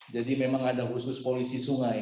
jadi memang ada khusus polisi sungai